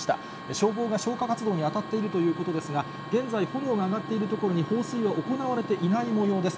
消防が消火活動に当たっているということですが、現在、炎が上がっている所に放水は行われていないもようです。